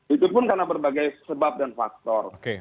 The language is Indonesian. itu pun karena berbagai sebab dan faktor